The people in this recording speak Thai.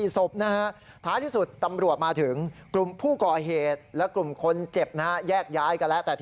ทำไมมายากมาเย็นจังเลย